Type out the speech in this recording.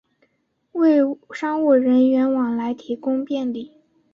为商务人员往来提供便利